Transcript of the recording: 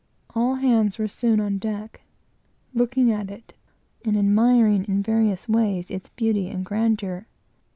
All hands were soon on deck, looking at it, and admiring in various ways its beauty and grandeur.